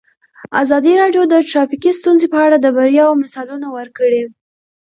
ازادي راډیو د ټرافیکي ستونزې په اړه د بریاوو مثالونه ورکړي.